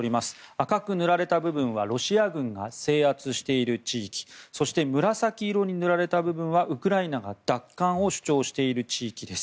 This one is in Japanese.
赤く塗られた部分はロシア軍が制圧している地域そして紫色に塗られた部分はウクライナが奪還を主張している地域です。